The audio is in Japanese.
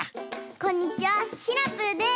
こんにちはシナプーです！